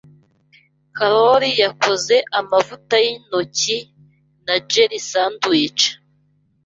Karoli yakoze amavuta yintoki na jelly sandwich.